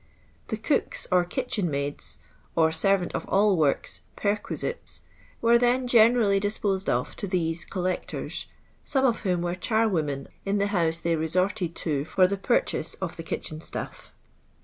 The cook's, or kitchen maid's, or servant of «ll work*a "perquisites," were then generally disposed of to these collectors, some of whom were charwomen in the houses they resorted to for the purchase of the kitchen stuff.